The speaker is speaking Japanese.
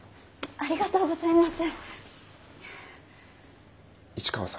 ありがとうございます。